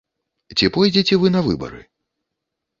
Ці пойдзеце вы на выбары?